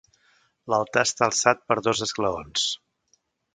L'altar està alçat per dos esglaons.